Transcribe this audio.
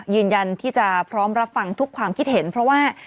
ยืนยันที่จะพร้อมรับฟังทุกความคิดเห็นเพราะว่า